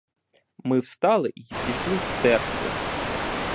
Ми встали й пішли в церкву.